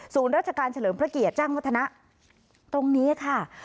ศูนย์ราชการเฉลิมพระเกียร์จ้างวัฒนะตรงนี้ค่ะ